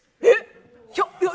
えっ！